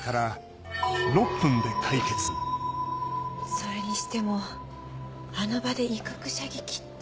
それにしてもあの場で威嚇射撃って。